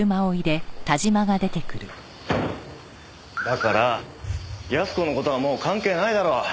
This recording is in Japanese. だから康子の事はもう関係ないだろう。